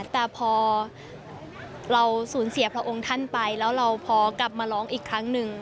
แต่พอเราสูญเสียพระองค์ท่านไปแล้วเราพอกลับมาร้องอีกครั้งหนึ่ง